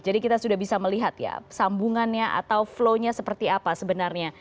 jadi kita sudah bisa melihat ya sambungannya atau flownya seperti apa sebenarnya